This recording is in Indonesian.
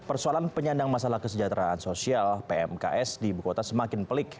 persoalan penyandang masalah kesejahteraan sosial pmks di ibu kota semakin pelik